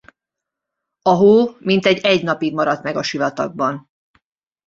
A hó mintegy egy napig maradt meg a sivatagban.